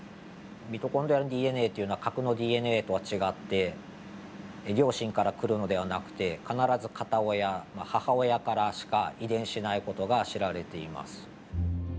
ミトコンドリアのＤＮＡというのは核のＤＮＡとは違って両親から来るのではなくて必ず片親まあ母親からしか遺伝しない事が知られています。